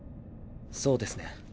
そうですね。